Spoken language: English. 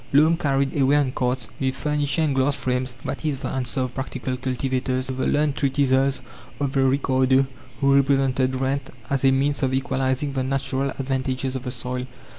Loam carried away on carts, with furniture and glass frames that is the answer of practical cultivators to the learned treatises of a Ricardo, who represented rent as a means of equalizing the natural advantages of the soil.